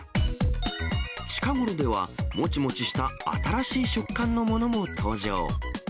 近頃では、もちもちした新しい食感のものも登場。